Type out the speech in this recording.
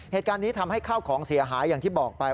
เหตุการณ์นี้ทำให้ข้าวของเสียหายอย่างที่บอกไป